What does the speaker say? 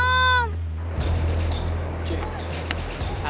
tuh mereka bertiga tuh disana om